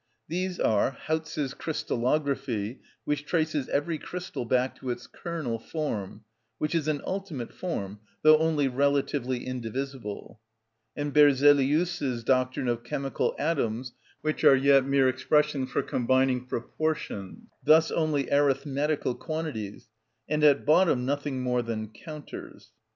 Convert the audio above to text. These are, Hauz's Crystallography, which traces every crystal back to its kernel form, which is an ultimate form, though only relatively indivisible; and Berzelius's doctrine of chemical atoms, which are yet mere expressions for combining proportions, thus only arithmetical quantities, and at bottom nothing more than counters.